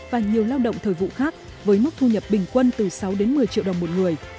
và nhiều lao động thời vụ khác với mức thu nhập bình quân từ sáu đến một mươi triệu đồng một người